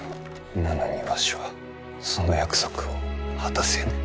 なのにわしはその約束を果たせぬ。